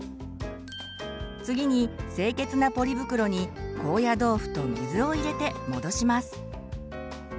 次に清潔なポリ袋に高野豆腐と水を入れて戻します。